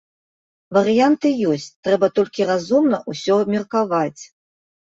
Варыянты ёсць, трэба толькі разумна ўсё абмеркаваць.